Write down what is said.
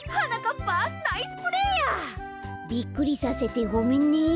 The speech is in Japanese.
びっくりさせてごめんね。